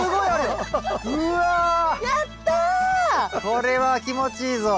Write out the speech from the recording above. これは気持ちいいぞ。